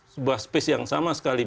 sebuah space yang sama sekali